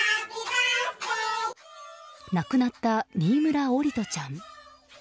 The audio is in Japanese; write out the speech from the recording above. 亡くなった新村桜利斗ちゃん。